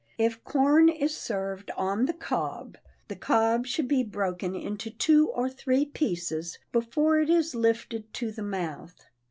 If corn is served on the cob, the cob should be broken into two or three pieces before it is lifted to the mouth.